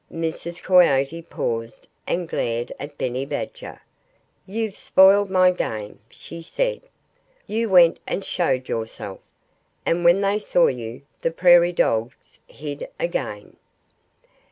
Mrs. Coyote paused and glared at Benny Badger. "You've spoiled my game," she said. "You went and showed yourself. And when they saw you, the Prairie Dogs hid again."